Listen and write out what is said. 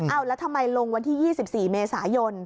เอาแล้วทำไมลงวันที่๒๔เมษายน